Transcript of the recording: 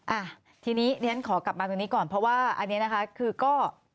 อ่ะทีนี้เรียนขอกลับมาตรงนี้ก่อนเพราะว่าอันนี้นะคะคือก็